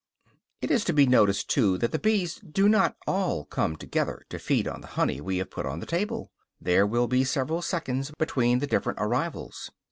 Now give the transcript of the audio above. It is to be noticed, too, that the bees do not all come together to feed on the honey we have put on the table; there will be several seconds between the different arrivals.